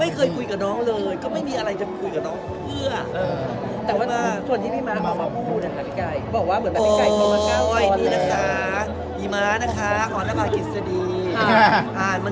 ไม่เคยคุยกับน้องเลยเขาไม่คิดจะคุยกับน้องเพื่อน